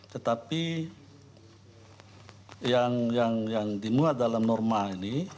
tetapi yang dimuat dalam norma ini